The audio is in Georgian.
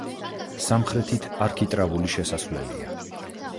სამხრეთით არქიტრავული შესასვლელია.